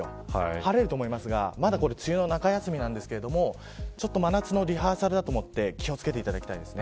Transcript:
晴れると思いますがまだ梅雨の中休みですが真夏のリハーサルだと思って気を付けていただきたいです。